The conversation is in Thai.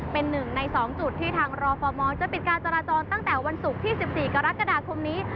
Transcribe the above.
เป็นหนึ่งใน๒จุดที่ทางรอฟอร์มจะปิดการจราจรตั้งแต่วันศุกร์ที่๑๔กรกฎาคมนี้